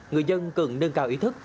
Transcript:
người dân cần nâng cao ý thức